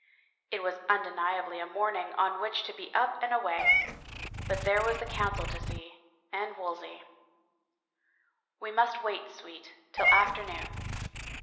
It was undeniably a morning on which to be up and away — but there was the Council to see — and Wolsey —" We must wait, Sweet, till afternoon."